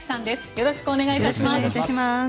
よろしくお願いします。